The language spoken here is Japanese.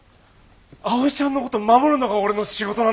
あおいちゃんのこと守るのが俺の仕事なんだよ。